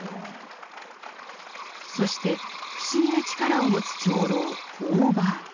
そして不思議な力を持つ長老・オーバー。